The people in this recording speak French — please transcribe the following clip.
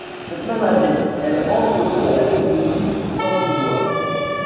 Cette même année, elle entre aussi à l'Académie d'Angoumois.